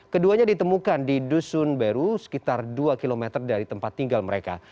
keduanya ditemukan di dusun beru sekitar dua km dari tempat tinggal mereka